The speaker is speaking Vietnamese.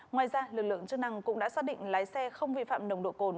ngoài ra lực lượng chức năng cũng đã xác định lái xe không vi phạm nồng độ cồn